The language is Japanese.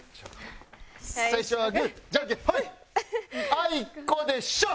あいこでしょ！